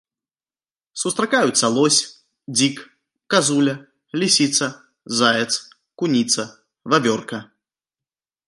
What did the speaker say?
Сустракаюцца лось, дзік, казуля, лісіца, заяц, куніца, вавёрка.